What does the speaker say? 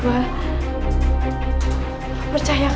kau tak bisa mencari aku